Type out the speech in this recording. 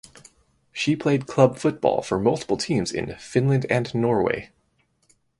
She played club football for multiple teams in Finland and Norway.